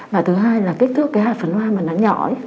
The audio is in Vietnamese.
và thứ hai là kích thước cái hạt phấn hoa mà nó nhỏ